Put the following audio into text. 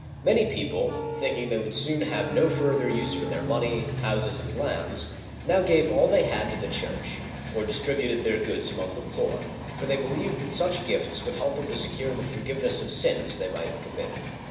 Many people, thinking they would soon have no further use for their money, houses, and lands, now gave all they had to the Church, or distributed their goods among the poor ; for they believed that such gifts would help to se cure the forgiveness of sins they might have committed.